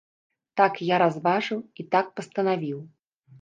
Так я разважыў і так пастанавіў.